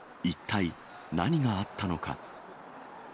一体、何があったのか。